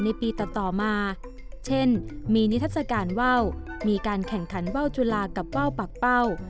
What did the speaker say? ในปีต่อมาเช่นมีนิทัศกาลว่าวมีการแข่งขันว่าวจุฬากับว่าวปากเป้า